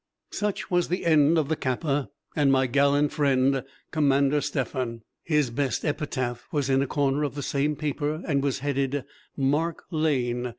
Such was the end of the Kappa, and my gallant friend, Commander Stephan. His best epitaph was in a corner of the same paper, and was headed "Mark Lane."